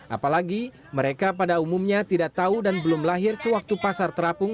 apalagi mereka pada umumnya tidak tahu dan belum lahir sewaktu pasar terapung